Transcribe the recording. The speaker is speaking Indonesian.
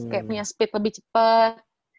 kayak punya speed lebih cepet